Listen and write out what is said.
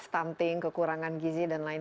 stunting kekurangan gizi dan lain